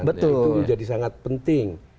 itu jadi sangat penting